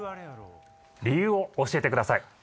理由を教えてください。